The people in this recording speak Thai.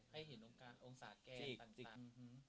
ให้เห็นองศาแก้นต่าง